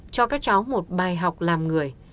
cho các cháu một bài học làm người